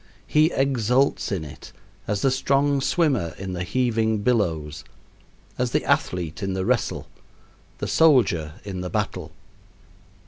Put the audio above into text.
He exults in it as the strong swimmer in the heaving billows, as the athlete in the wrestle, the soldier in the battle.